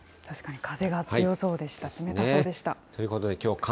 確かに風が強そうでしたし、冷たそうでした。